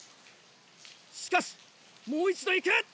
しかしもう一度いく！